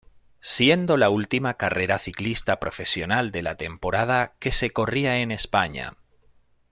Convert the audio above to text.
Siendo la última carrera ciclista profesional de la temporada que se corría en España.